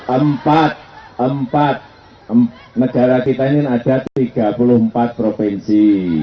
empat empat negara kita ini ada tiga puluh empat provinsi